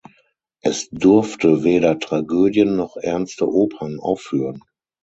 Es durfte weder Tragödien noch ernste Opern aufführen.